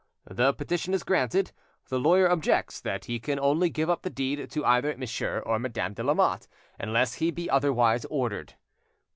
The petition is granted. The lawyer objects that he can only give up the deed to either Monsieur or Madame de Lamotte, unless he be otherwise ordered.